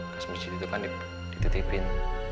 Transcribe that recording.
kas mesjid itu kan dititipin